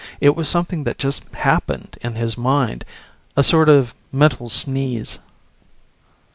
It was something that just happened in his mind. A sort of mental sneeze.